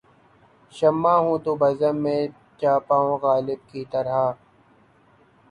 شمع ہوں‘ تو بزم میں جا پاؤں غالب کی طرح